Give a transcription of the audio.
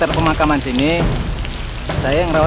isolated mau kemans ini saya mengelola